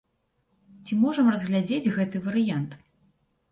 Ці можам разглядзець гэты варыянт.